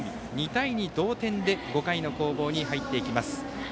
２対２、同点で５回の攻防に入っていきます。